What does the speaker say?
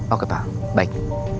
oke pak baik